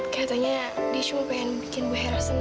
katanya dia cuma pengen bikin bu hera senang